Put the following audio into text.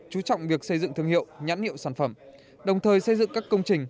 chú trọng việc xây dựng thương hiệu nhãn hiệu sản phẩm đồng thời xây dựng các công trình